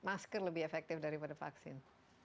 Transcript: masker lebih efektif daripada vaksin